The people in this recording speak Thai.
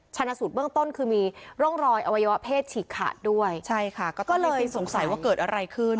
ชนะสูตรเบื้องต้นคือมีร่องรอยอวัยวะเพศฉีกขาดด้วยใช่ค่ะก็เลยสงสัยว่าเกิดอะไรขึ้น